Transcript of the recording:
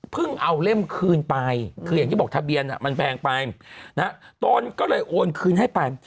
เอาเล่มคืนไปคืออย่างที่บอกทะเบียนมันแพงไปตนก็เลยโอนคืนให้ไป